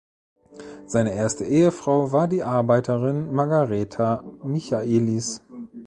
Seine erste Ehefrau war die Arbeiterin Margareta Michaelis.